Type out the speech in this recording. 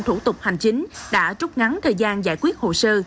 thủ tục hành chính đã trút ngắn thời gian giải quyết hồ sơ